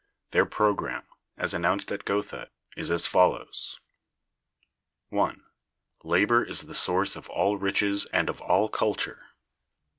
Their programme,(153) as announced at Gotha, is as follows: I. Labor is the source of all riches and of all culture.